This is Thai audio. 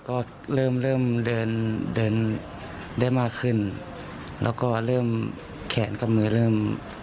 ก็เริ่มเริ่มเดินเดินได้มากขึ้นแล้วก็เริ่มแขนกับมือเริ่ม